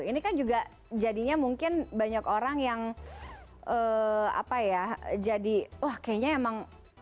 ini kan juga jadinya mungkin banyak orang yang apa ya jadi wah kayaknya emang